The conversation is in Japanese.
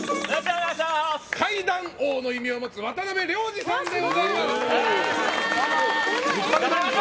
階段王の異名を持つ渡辺良治さんでございます。